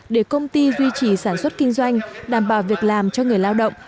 để công ty duy trì sản xuất kinh doanh đảm bảo việc làm được